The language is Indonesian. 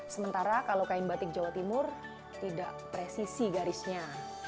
sementara kalau kain batik jawa timur tidak presisi garisnya